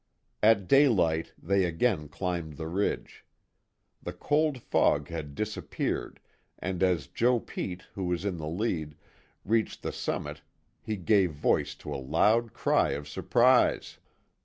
At daylight they again climbed the ridge. The cold fog had disappeared and as Joe Pete, who was in the lead, reached the summit, he gave voice to a loud cry of surprise.